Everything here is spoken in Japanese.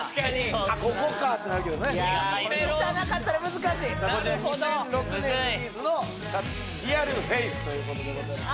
ここかってなるけどね歌なかったら難しいなるほどこちら２００６年リリースの「ＲｅａｌＦａｃｅ」ということでございます